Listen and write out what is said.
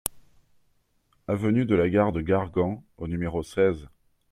Avenue de la Gare de Gargan au numéro seize